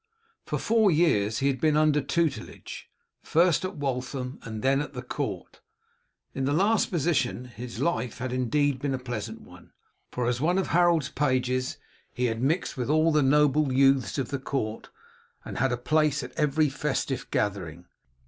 For four years he had been under tutelage, first at Waltham, and then at the court. In the last position his life had indeed been a pleasant one, for as one of Harold's pages he had mixed with all the noble youths of the court, and had had a place at every festive gathering.